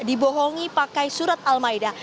dibohongi pakai surat al maida